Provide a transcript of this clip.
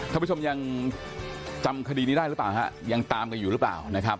ท่านผู้ชมยังจำคดีนี้ได้หรือเปล่าฮะยังตามกันอยู่หรือเปล่านะครับ